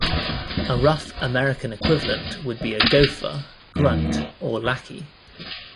A rough American equivalent would be a "gofer," "grunt" or "lackey".